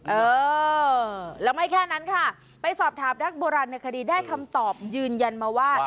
เออแล้วไม่แค่นั้นค่ะไปสอบถามนักโบราณในคดีได้คำตอบยืนยันมาว่า